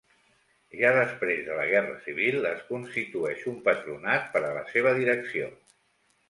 Ja després de la Guerra Civil es constitueix un patronat per a la seva direcció.